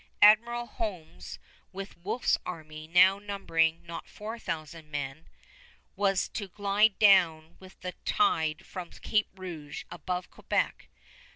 Admiral Holmes with Wolfe's army, now numbering not four thousand men, was to glide down with the tide from Cape Rouge above Quebec.